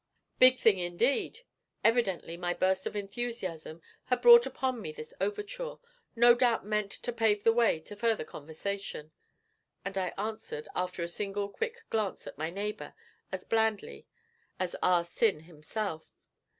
'Big thing, indeed!' Evidently my burst of enthusiasm had brought upon me this overture, no doubt meant to pave the way to further conversation; and I answered, after a single quick glance at my neighbour, as blandly as Ah Sin himself.